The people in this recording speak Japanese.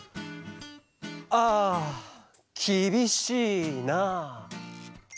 ああきびしいな。